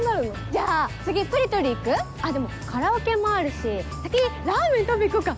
じゃあ次プリ撮り行く？あっでもカラオケもあるし先にラーメン食べ行こっか？